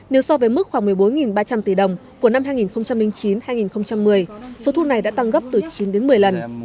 nếu so với mức khoảng một mươi bốn ba trăm linh tỷ đồng của năm hai nghìn chín hai nghìn một mươi số thu này đã tăng gấp từ chín đến một mươi lần